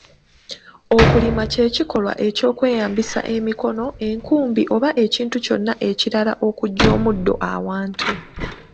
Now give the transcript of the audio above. Okulima kye kikolwa eky’okweyambisa emikono, enkumbi oba ekintu kyonna ekirala okuggya omuddo awantu.